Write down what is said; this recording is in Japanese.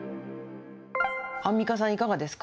アンミカさん、いかがですか。